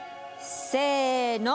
せの！